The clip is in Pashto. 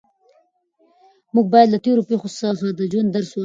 موږ باید له تېرو پېښو څخه د ژوند درس واخلو.